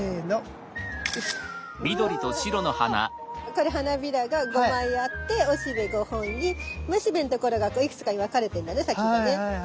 これ花びらが５枚あっておしべ５本にめしべのところがこういくつかに分かれてんだね先がね。